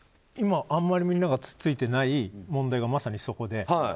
今、あまりみんなが突っついていない問題がまさに、そこで。